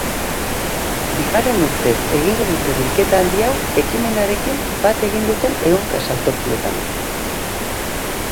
Bigarren urtez egingo dute bilketa handi hau ekimenarekin bat egin duten ehunka saltokietan.